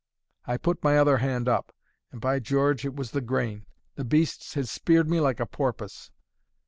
I put my other hand up, and by George! it was the grain; the beasts had speared me like a porpoise.